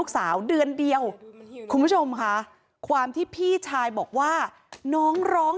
สาวเดือนเดียวคุณผู้ชมค่ะความที่พี่ชายบอกว่าน้องร้อง